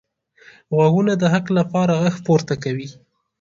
غوږونه د حق لپاره غږ پورته کوي